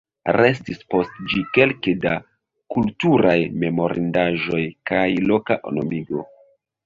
Restis post ĝi kelke da kulturaj memorindaĵoj kaj loka nomigo.